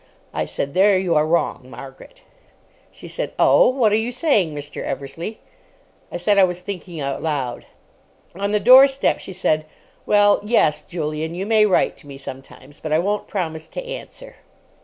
I said, "There you are wrong—Margaret." She said, "Oh, what are you saying, Mr. Eversleigh?" I said I was thinking out loud. On the doorstep she said, "Well, yes—Julian—you may write to me—sometimes. But I won't promise to answer."